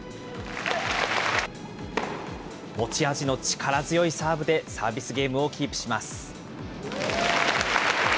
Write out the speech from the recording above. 持ち味の力強いサーブで、サービスゲームをキープします。